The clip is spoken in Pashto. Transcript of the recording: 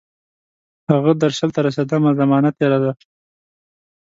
هغه درشل ته رسیدمه، زمانه تیره ده